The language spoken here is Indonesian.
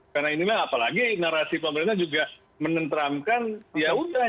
karena inilah apalagi narasi pemerintah juga menenteramkan ya udah